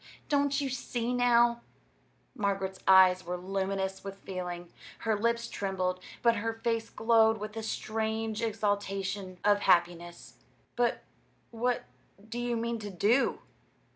Don't you see now?" Margaret's eyes were luminous with feeling. Her lips trembled; but her face glowed with a strange exaltation of happiness. "But what do you mean to do?"